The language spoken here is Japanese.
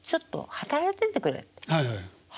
「働いててくれ？